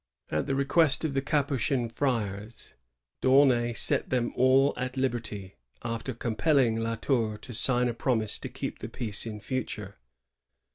At the request of the Capuchin friars D'Aunay set them all at liberty, after compelling La Tour to sign a promise to keep the peace in future.